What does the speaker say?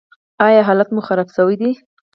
ایا حالت مو خراب شوی دی؟